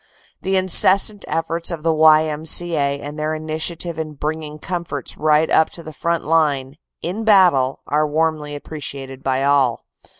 The incessant efforts of the Y.M.C.A. and their initiative in bringing comforts right up to the front line, in battle, are warmly appreciated by all.